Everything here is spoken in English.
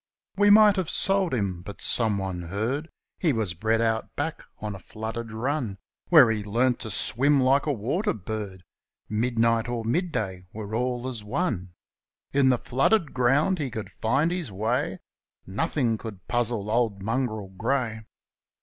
We might have sold him, but someone heard He was bred out back on a flooded run, Where he learnt to swim like a waterbird; Midnight or midday were all as one — In the flooded ground he would find his way; Nothing could puzzle old Mongrel Grey.